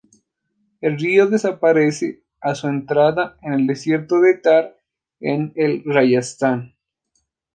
El río desaparece a su entrada en el desierto de Thar en el Rayastán.